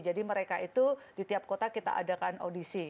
jadi mereka itu di tiap kota kita adakan audisi